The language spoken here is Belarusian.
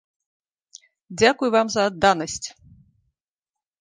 Дзякуй вам за адданасць!